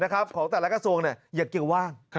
ของแต่ละกระทรวงอย่าเกี่ยวว่าง